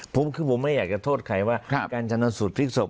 ผมไม่อยากจะโทษใครการงานศรัทธีพลิกศพ